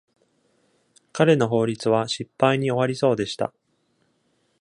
彼の法律は失敗に終わりそうでした。